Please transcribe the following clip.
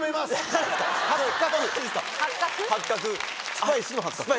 ・スパイスの八角？